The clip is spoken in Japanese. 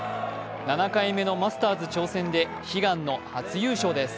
７回目のマスターズ挑戦で悲願の初優勝です。